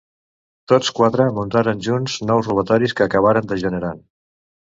Tots quatre muntaran junts nous robatoris que acabaran degenerant.